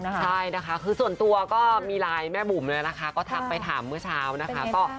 ใช่นะคะส่วนตัวก็มีไลน์แม่บุ๋มก็ทักไปถามเมื่อเช้า